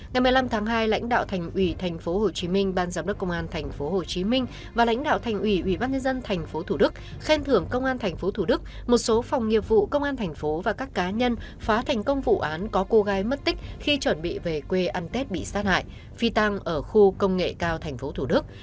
ngày một mươi năm tháng hai lãnh đạo thành ủy tp hcm ban giám đốc công an tp hcm và lãnh đạo thành ủy ubnd tp thủ đức khen thưởng công an tp thủ đức một số phòng nghiệp vụ công an thành phố và các cá nhân phá thành công vụ án có cô gái mất tích khi chuẩn bị về quê ăn tết bị sát hại phi tăng ở khu công nghệ cao tp thủ đức